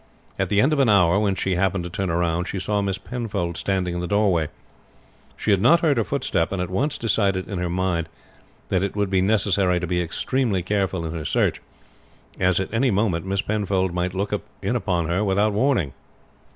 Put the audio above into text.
At the end of an hour, when she happened to turn round, she saw Miss Penfold standing in the doorway. She had not heard her footstep, and at once decided in her mind that it would be necessary to be extremely careful in her search, as at any moment Miss Penfold might look in upon her without warning.